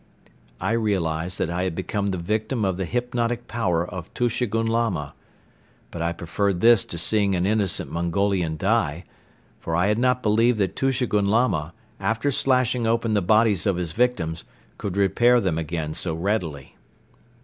I realized that I had become the victim of the hypnotic power of Tushegoun Lama; but I preferred this to seeing an innocent Mongolian die, for I had not believed that Tushegoun Lama, after slashing open the bodies of his victims, could repair them again so readily.